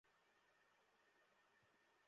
এটা রাসায়িক হামলা।